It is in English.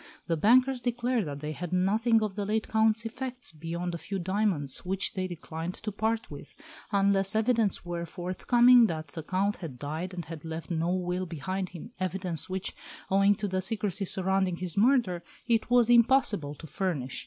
The bankers declared that they had nothing of the late Count's effects beyond a few diamonds, which they declined to part with, unless evidence were forthcoming that the Count had died and had left no will behind him evidence which, owing to the secrecy surrounding his murder, it was impossible to furnish.